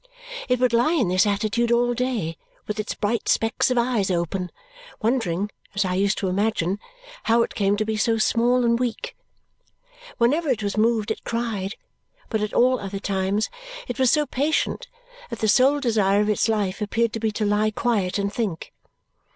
It would lie in this attitude all day, with its bright specks of eyes open, wondering (as I used to imagine) how it came to be so small and weak. Whenever it was moved it cried, but at all other times it was so patient that the sole desire of its life appeared to be to lie quiet and think.